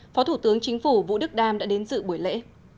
phó thủ tướng chính phủ vũ đức đam đã đến dự buổi lễ